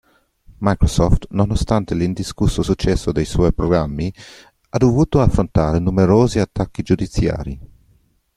Microsoft, nonostante l'indiscusso successo dei suoi programmi, ha dovuto affrontare numerosi attacchi giudiziari.